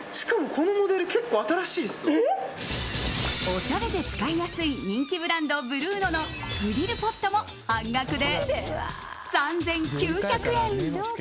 おしゃれで使いやすい人気ブランド、ブルーノのグリルポットも半額で３９００円。